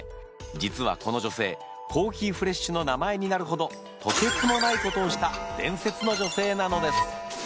実はこの女性コーヒーフレッシュの名前になるほどとてつもないことをした伝説の女性なのです。